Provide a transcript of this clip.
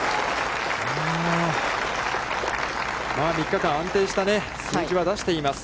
３日間、安定した数字は出しています。